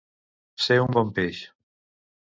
Ser un bon peix.